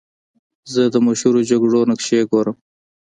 زه د مشهورو جګړو نقشې ګورم.